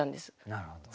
なるほど。